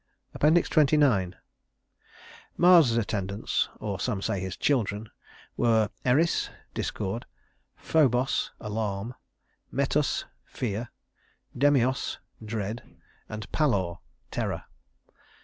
XXIX Mars's attendants, or some say his children, were Eris (Discord), Phobos (Alarm), Metus (Fear), Demios (Dread), and Pallor (Terror).